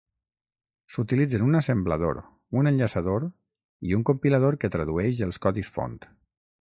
S’utilitzen un assemblador, un enllaçador i un compilador que tradueix els codis font.